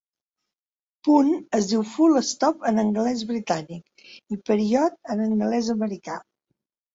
"Punt" es diu "full stop" en anglès britànic i "period" en anglès americà.